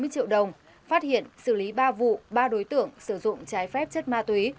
bốn mươi triệu đồng phát hiện xử lý ba vụ ba đối tượng sử dụng trái phép chất ma túy